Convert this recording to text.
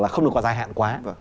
không được dài hạn quá